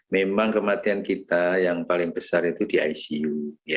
memang kematian kita yang paling besar itu di icu